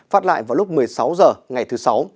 phát lại vào lúc một mươi sáu h ngày thứ sáu